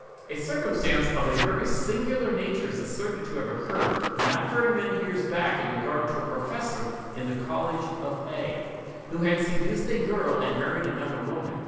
A circumstance of a very singular nature is asserted to have occurred, not very many years back, in regard to a professor in the college of A——, who had seduced a girl and married another woman.